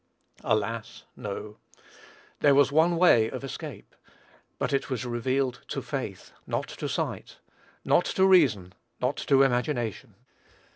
Alas, no: there was one way of escape, but it was revealed to faith, not to sight, not to reason, not to imagination.